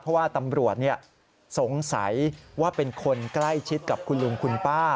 เพราะว่าตำรวจสงสัยว่าเป็นคนใกล้ชิดกับคุณลุงคุณป้า